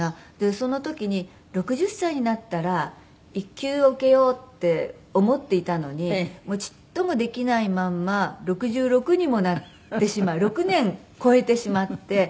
その時に６０歳になったら１級を受けようって思っていたのにちっともできないまんま６６にもなってしまう６年越えてしまって。